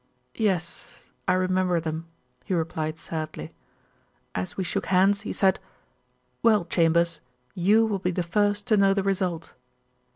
"Yes; I remember them," he replied sadly. "As we shook hands he said, 'Well, Chambers, you will be the first to know the result.'"